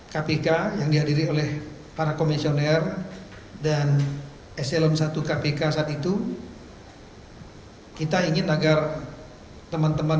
kpk yang dihadiri oleh para komisioner dan eselon i kpk saat itu kita ingin agar teman teman